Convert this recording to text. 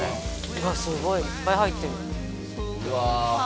うわっすごいいっぱい入ってるうわうわ